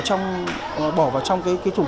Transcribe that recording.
trong bỏ vào trong cái thùng